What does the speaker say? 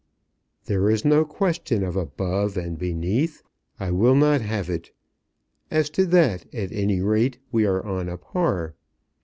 "There is no question of above and beneath. I will not have it. As to that, at any rate we are on a par."